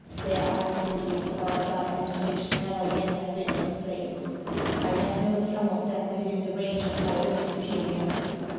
There are mysteries about diamonds which never yet have been explained. I have known some of them within the range of my own experience.